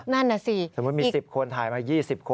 นั่นน่ะสิสมมุติมี๑๐คนถ่ายมา๒๐คน